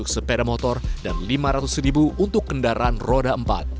dua ratus sepeda motor dan rp lima ratus untuk kendaraan roda empat